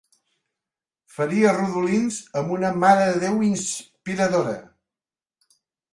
Faria rodolins amb una marededéu inspiradora.